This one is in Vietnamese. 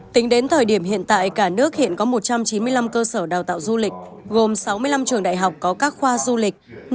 tính đến thời điểm hiện tại cả nước hiện có một trăm chín mươi năm cơ sở đào tạo du lịch gồm sáu mươi năm trường đại học có các khoa du lịch